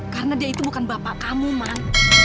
karena dia itu bukan bapak kamu man